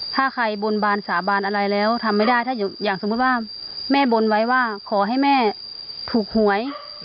ถ้าใครบนบานสาบานอะไรแล้วทำไม่ได้ถ้าอย่างสมมุติว่าแม่บนไว้ว่าขอให้แม่ถูกหวย